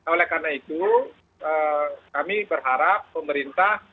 oleh karena itu kami berharap pemerintah